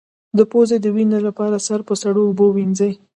د پوزې وینې لپاره سر په سړو اوبو ووینځئ